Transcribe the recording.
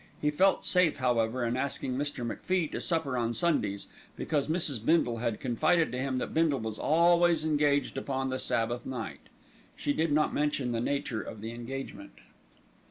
He felt safe, however, in asking Mr. MacFie to supper on Sundays because Mrs. Bindle had confided to him that Bindle was always engaged upon the Sabbath night. She did not mention the nature of the engagement.